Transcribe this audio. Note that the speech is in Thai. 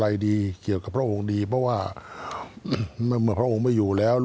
อะไรดีเกี่ยวกับพระองค์ดีเพราะว่าเมื่อพระองค์ไม่อยู่แล้ว